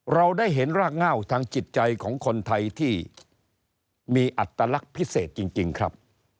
เราได้เห็นรากเง่าทางจิตใจของคนไทยที่มีอัตลักษณ์พิเศษจริงครับ